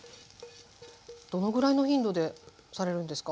どのぐらいの頻度でされるんですか